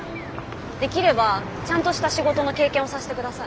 できればちゃんとした仕事の経験をさせてください。